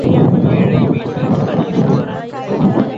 துடி என்பது மேளத்தைக் குறிப்பது.